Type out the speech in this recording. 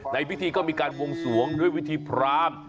ในพิธีก็มีการวงสวงด้วยวิธีพราม